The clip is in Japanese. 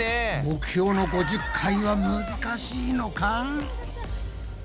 目標の５０回はむずかしいのか？